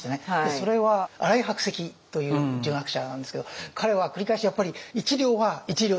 それは新井白石という儒学者なんですけど彼は繰り返しやっぱり１両は１両であるべきだと。